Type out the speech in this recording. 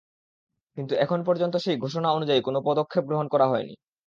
কিন্তু এখন পর্যন্ত সেই ঘোষণা অনুযায়ী কোনো পদক্ষেপ গ্রহণ করা হয়নি।